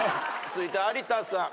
続いて有田さん。